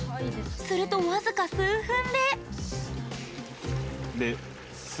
すると僅か数分で。